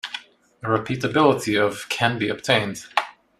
A repeatability of can be obtained.